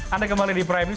anda kembali di prime news